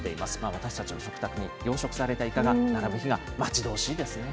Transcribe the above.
私たちの食卓に養殖されたイカが並ぶ日が待ち遠しいですね。